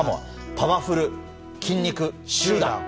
パワフル筋肉集団。